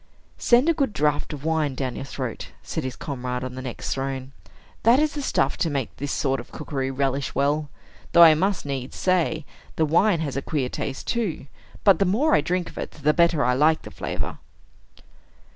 "Send a good draught of wine down your throat," said his comrade on the next throne. "That is the stuff to make this sort of cookery relish well. Though I must needs say, the wine has a queer taste too. But the more I drink of it, the better I like the flavor."